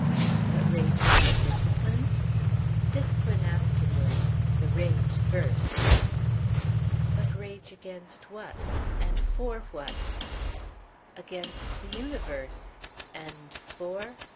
"But rage without discipline?" "Discipline afterwards. The rage first." "But rage against what? And FOR what?" "Against the Universe. And for